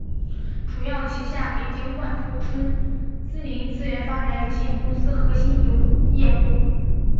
主要旗下北京万富春森林资源发展有限公司核心业务。